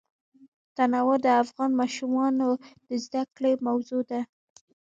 تنوع د افغان ماشومانو د زده کړې موضوع ده.